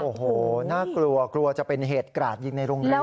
โอ้โหน่ากลัวกลัวจะเป็นเหตุกราดยิงในโรงเรียน